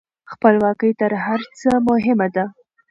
خپلواکي تر هر څه مهمه ده.